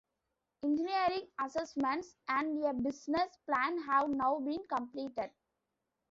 Engineering assessments and a business plan have now been completed.